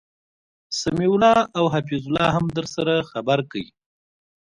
سمیع الله او حفیظ الله هم درسره خبرکی